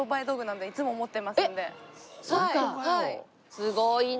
すごいな！